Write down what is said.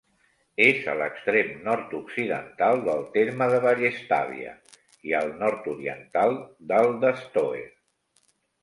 És a l'extrem nord-occidental del terme de Vallestàvia i al nord-oriental del d'Estoer.